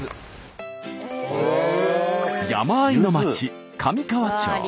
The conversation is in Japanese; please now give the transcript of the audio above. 山あいの町神河町。